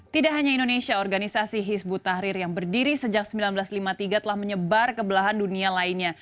tidak hanya indonesia organisasi hizbut tahrir yang berdiri sejak seribu sembilan ratus lima puluh tiga telah menyebar ke belahan dunia lainnya